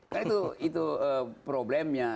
kan itu itu problemnya